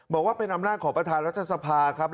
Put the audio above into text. บอกว่าเป็นอำนาจของประธานรัฐสภาครับ